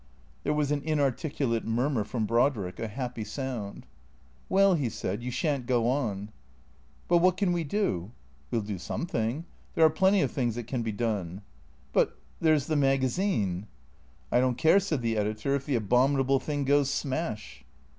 There was an inarticulate murmur from Brodrick, a happy sound. " Well," he said, " you shan't go on." *' But what can we do ?"" We '11 do something. There are plenty of things that can be done." " But — there 's the magazine." " I don't care," said the editor, " if the abominable thing goes smash."